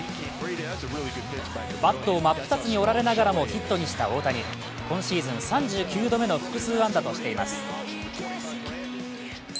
バットを真っ二つに折られながらもヒットにした大谷今シーズン３９度目の複数安打としています。